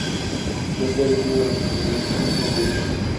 Chester es uno de los originales Keystone Cops.